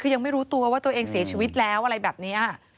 คือยังไม่รู้ตัวว่าตัวเองเสียชีวิตแล้วอะไรแบบนี้